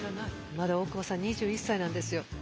まだ大久保さん２１歳なんですよ。